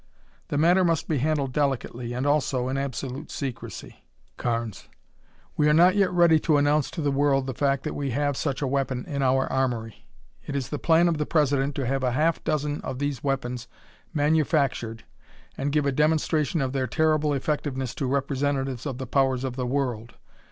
"The matter must be handled delicately and also in absolute secrecy, Carnes. We are not yet ready to announce to the world the fact that we have such a weapon in our armory. It is the plan of the President to have a half dozen of these weapons manufactured and give a demonstration of their terrible effectiveness to representatives of the powers of the world.